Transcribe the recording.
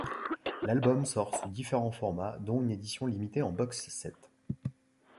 L'album sort sous différents formats dont une édition limitée en box set.